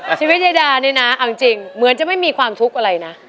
ชีวิตยายดานี่นะเอาจริงเหมือนจะไม่มีความทุกข์อะไรนะ